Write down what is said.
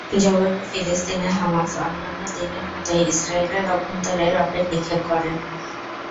জবাবে ফিলিস্তিনের হামাস অন্যান্য দিনের মতোই ইসরায়েলের অভ্যন্তরে রকেট নিক্ষেপ করে।